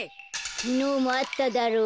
きのうもあっただろ。